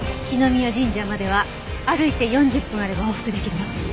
絹宮神社までは歩いて４０分あれば往復できるわ。